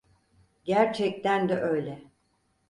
Gerçekten de öyle.